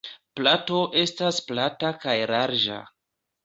Plato estas plata kaj larĝa.